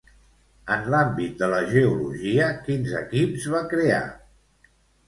En l'àmbit de la geologia, quins equips va crear?